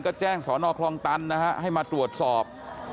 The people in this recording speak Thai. ก็แจ้งศนคลองตันให้มาตรวจสอบ